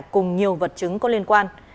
cùng nhiều vật chứng có liên quan